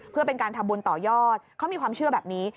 เพื่อเป็นการทำบุญต่อยอดเขามีความเชื่อแบบนี้